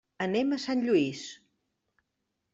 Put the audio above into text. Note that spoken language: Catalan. Anem a Sant Lluís.